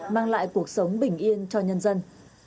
mang lại cuộc sống bình yên cho nhân dân